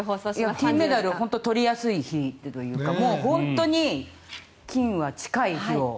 金メダルを本当に取りやすい日というか本当に金は近い日を。